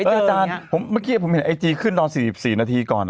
ไอจีก็มีอาจารย์ผมเห็นไอจีขึ้นตอน๔๔นาทีก่อน